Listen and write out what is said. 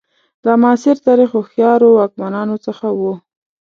د معاصر تاریخ هوښیارو واکمنانو څخه وو.